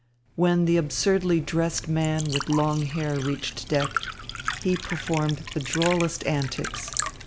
When the absurdly dressed man with long hair reached deck, he performed the drollest antics.